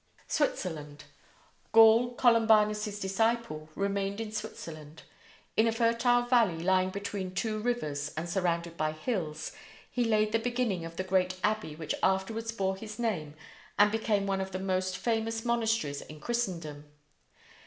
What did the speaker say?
SWITZERLAND: Gall, Columbanus's disciple, remained in Switzerland. In a fertile valley, lying between two rivers and surrounded by hills, he laid the beginnings of the great abbey which afterwards bore his name and became one of the most famous monasteries in Christendom.